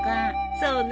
そうね。